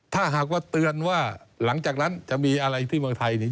ถ้าหากว่าเตือนว่าหลังจากนั้นจะมีอะไรที่เมืองไทย